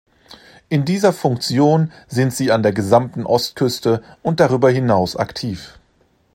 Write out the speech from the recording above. In dieser Funktion sind sie an der gesamten Ostküste und darüber hinaus aktiv.